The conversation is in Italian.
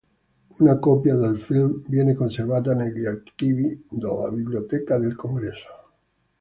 Una copia del film viene conservata negli archivi della Biblioteca del Congresso.